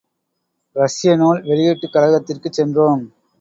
இரஷிய நூல் வெளியீட்டுக் கழகத்திற்குச் சென்றோம்.